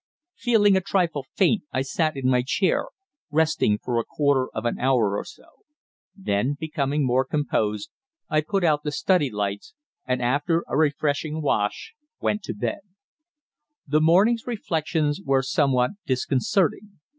Feeling a trifle faint I sat in my chair, resting for a quarter of an hour or so; then, becoming more composed, I put out the study lights, and after a refreshing wash went to bed. The morning's reflections were somewhat disconcerting.